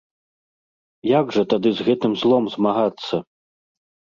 Як жа тады з гэтым злом змагацца?